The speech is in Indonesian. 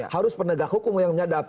harus penegak hukum yang menyadap